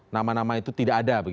nama nama itu tidak ada